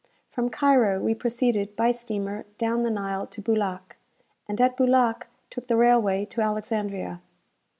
From Cairo we proceeded by steamer down the Nile to Boulac, and at Boulac took the railway to Alexandria.